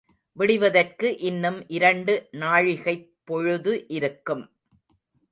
விடிவதற்கு இன்னும் இரண்டு நாழிகைப் பொழுது இருக்கும்.